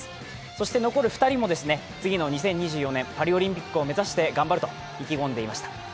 そして残る２人も次の２０２４年パリオリンピックを目指して頑張ると意気込んでいました。